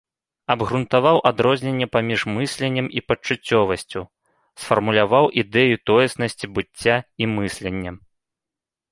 Абгрунтаваў адрозненне паміж мысленнем і пачуццёвасцю, сфармуляваў ідэю тоеснасці быцця і мыслення.